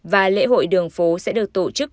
và lễ hội đường phố sẽ được tổ chức